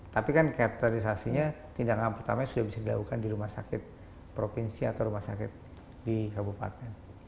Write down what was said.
tapi kan katerisasinya tindakan pertama sudah bisa dilakukan di rumah sakit provinsi atau rumah sakit di kabupaten